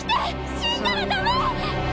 死んだらダメ！